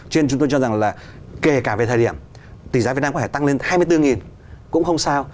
cho nên chúng tôi cho rằng là kể cả về thời điểm tỷ giá việt nam có thể tăng lên hai mươi bốn cũng không sao